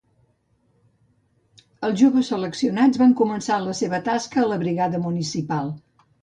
Els joves seleccionats van començar la seva tasca a la brigada municipal